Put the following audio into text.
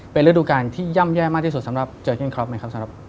เป็นระดูการที่ย่ำแย่มากที่สุดสำหรับเจอร์เกิ้ลครอบไหมครับ